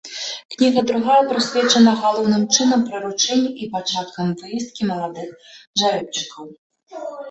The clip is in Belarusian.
Кніга другая прысвечана галоўным чынам прыручэнню і пачаткам выездкі маладых жарэбчыкаў.